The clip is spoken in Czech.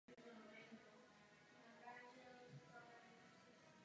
Na jeho návsi se nachází hranolová zvonice.